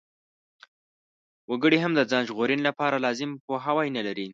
وګړي هم د ځان ژغورنې لپاره لازم پوهاوی نلري.